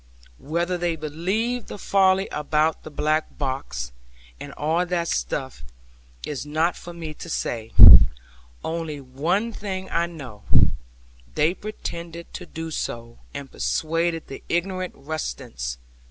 Whether they believed the folly about the black box, and all that stuff, is not for me to say; only one thing I know, they pretended to do so, and persuaded the ignorant rustics.